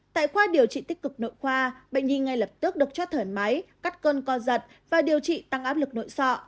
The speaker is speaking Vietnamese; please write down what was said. tại khoa điều trị tích cực nội khoa bệnh nhi ngay lập tức được cho thởi máy cắt cơn co giật và điều trị tăng áp lực nội sọ